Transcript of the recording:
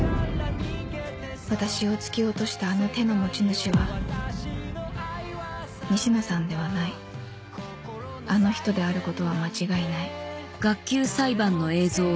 私を突き落としたあの手の持ち主は西野さんではないあの人であることは間違いない